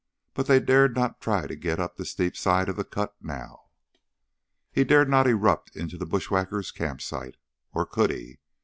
But they dared not try to get up the steep sides of the cut now. He dared not erupt into the bushwhacker campsite, or could he?